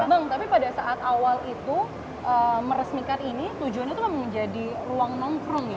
bang tapi pada saat awal itu meresmikan ini tujuannya itu memang menjadi ruang nongkrong ya